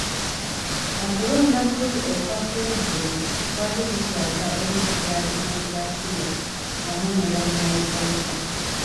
Okulonda kuli okwa Pulezidenti, kwali kuswaza eri enfuga ya demokulaasiya wamu ne bannayuganda.